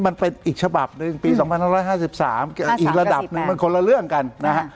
มันเป็นอีกฉบับหนึ่งปี๒๕๕๓อีกระดับหนึ่งมันคนละเรื่องกันนะฮะ